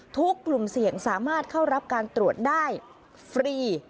กลุ่มเสี่ยงสามารถเข้ารับการตรวจได้ฟรี